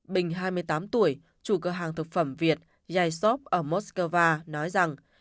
bình hai mươi tám tuổi chủ cơ hàng thực phẩm việt jiseop ở moscow nói rằng